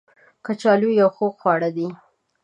کچالو یو خوږ خواړه دی